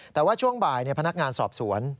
แต่ว่าช่วงบ่ายพนักงานสอบสวน